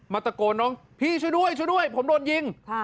มาตะโกนน้องพี่ช่วยด้วยผมโดนยิง